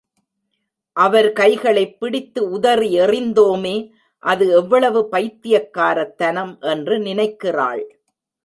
அவர் கைகளைப் பிடித்து உதறி எறிந்தோமே அது எவ்வளவு பைத்தியக்காரத்தனம் என்று நினைக்கிறாள்.